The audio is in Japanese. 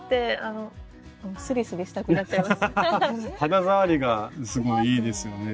肌触りがすごいいいですよね